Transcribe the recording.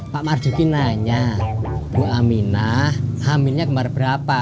pak marzuki nanya bu aminah hamilnya kembar berapa